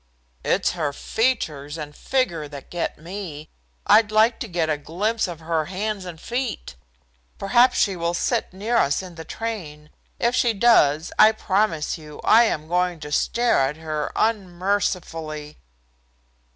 "It's her features and figure that get me. I'd like to get a glimpse of her hands and feet. Perhaps she will sit near us in the train. If she does, I promise you I am going to stare at her unmercifully."